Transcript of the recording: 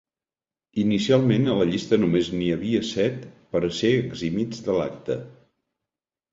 Inicialment a la llista només n'hi havia set per a ser eximits de l'acte.